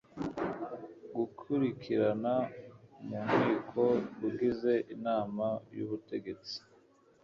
gukurikirana mu nkiko ugize inama y ubutegetsi